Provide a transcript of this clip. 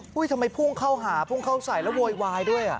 ทำไมพุ่งเข้าหาพุ่งเข้าใส่แล้วโวยวายด้วย